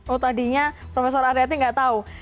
oh tadinya prof ariyati tidak tahu